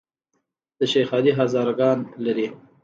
د شیخ علي هزاره ګان لري